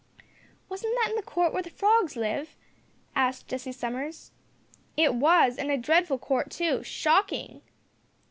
"Was that in the court where the Frogs live?" asked Jessie Summers. "It was, and a dreadful court too shocking!"